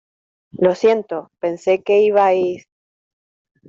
Lo siento, pensé que ibais...